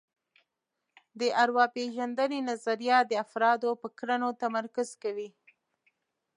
د ارواپېژندنې نظریه د افرادو پر کړنو تمرکز کوي